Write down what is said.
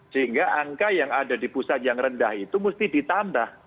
sehingga angka yang ada di pusat yang rendah itu mesti ditambah